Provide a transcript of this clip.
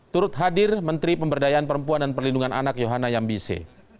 turut hadir menteri pemberdayaan perempuan dan perlindungan anak yohana yambise